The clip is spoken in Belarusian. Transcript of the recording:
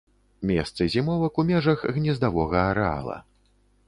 Месцы зімовак у межах гнездавога арэала.